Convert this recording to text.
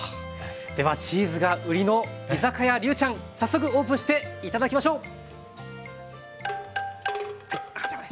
ではチーズが売りの居酒屋りゅうちゃん早速オープンして頂きましょう！